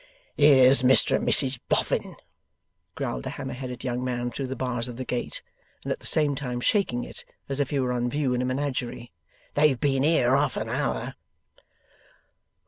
'Here's Mr and Mrs Boffin!' growled the hammer headed young man through the bars of the gate, and at the same time shaking it, as if he were on view in a Menagerie; 'they've been here half an hour.